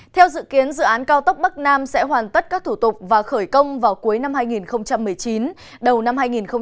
theo dự kiến dự án cao tốc bắc nam sẽ hoàn tất các thủ tục và khởi công vào cuối năm hai nghìn một mươi chín đầu năm hai nghìn hai mươi